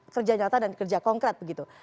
kerja nyata dan kerja konkret begitu